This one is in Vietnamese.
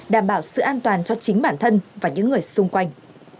đảm bảo sự an toàn cho chính bản thân và những người xung quanh